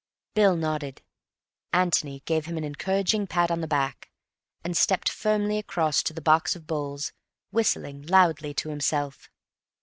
Bill nodded. Antony gave him an encouraging pat on the back, and stepped firmly across to the box of bowls, whistling loudly to himself.